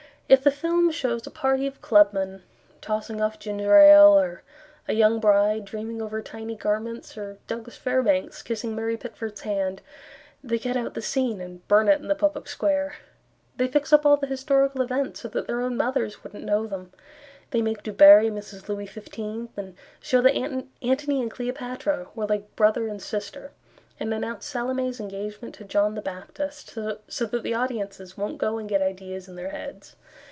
If the film shows a party of clubmen tossing off ginger ale, Or a young bride dreaming over tiny garments, Or Douglas Fairbanks kissing Mary Pickford's hand, They cut out the scene And burn it in the public square. They fix up all the historical events So that their own mothers wouldn't know them. They make Du Barry Mrs. Louis Fifteenth, And show that Anthony and Cleopatra were like brother and sister, And announce Salome's engagement to John the Baptist, So that the audiences won't go and get ideas in their heads.